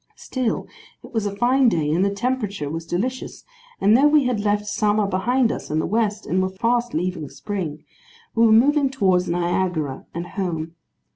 Still, it was a fine day, and the temperature was delicious, and though we had left Summer behind us in the west, and were fast leaving Spring, we were moving towards Niagara and home.